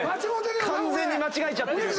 ⁉完全に間違えちゃってる。